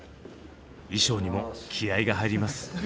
衣装にも気合いが入ります。